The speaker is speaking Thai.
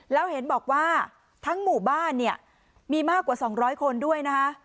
แล้วเห็นบอกว่าทั้งหมู่บ้านเนี่ยมีมากกว่า๒๐๐คนด้วยนะคะ